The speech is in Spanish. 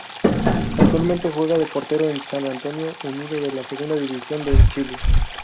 Actualmente juega de portero en San Antonio Unido de la Segunda división de Chile.